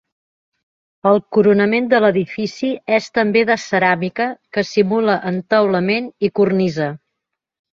El coronament de l'edifici és també de ceràmica, que simula entaulament i cornisa.